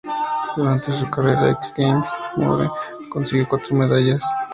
Durante su carrera X Games, Moore consiguió cuatro medallas.